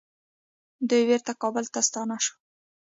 دوی بیرته کابل ته ستانه شول.